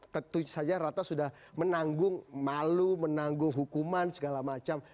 tentu saja ratna sudah menanggung malu menanggung hukuman segala macam